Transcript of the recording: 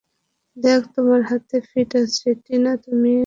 দেখ তোমার হাতে ফিট হয়েছে, - টিনা, তুমিও না।